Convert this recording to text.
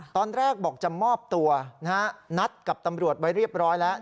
ตอนแรกบอกจะมอบตัวนะฮะนัดกับตำรวจไว้เรียบร้อยแล้ว